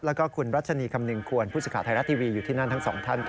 แล้วก็คุณรัชนีคำนึงควรผู้สิทธิ์ไทยรัฐทีวีอยู่ที่นั่นทั้งสองท่าน